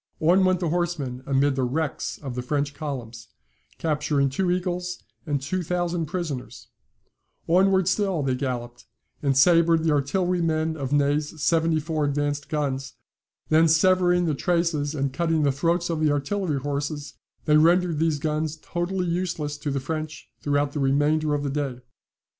On went the horsemen amid the wrecks of the French columns, capturing two eagles, and two thousand prisoners; onwards still they galloped, and sabred the artillerymen of Ney's seventy four advanced guns; then severing the traces, and cutting the throats of the artillery horses, they rendered these guns totally useless to the French throughout the remainder of the day.